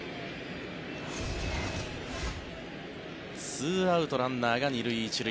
２アウト、ランナーが２塁１塁。